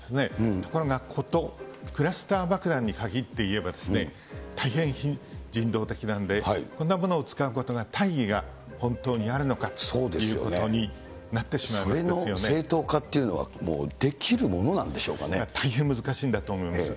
ところが、ことクラスター爆弾に限って言えば、大変非人道的なんで、こんなものを使うことの大義が本当にあるのかということになってしまいそれの正当化っていうのは、大変難しいんだと思います。